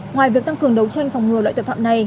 ngoài việc tăng cường đấu tranh phòng ngừa loại tội phạm này